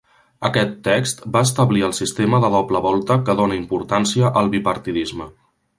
Aquest text va establir el sistema de doble volta que dóna importància al bipartidisme.